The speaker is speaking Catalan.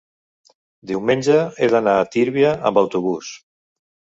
diumenge he d'anar a Tírvia amb autobús.